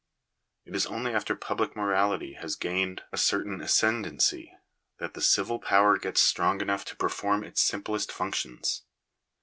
It is only after public morality has gained a certain ascendancy, that the civil power gets strong enough to perform its simplest functions.